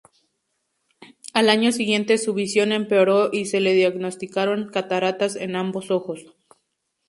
Al año siguiente su visión empeoró y se le diagnosticaron cataratas en ambos ojos.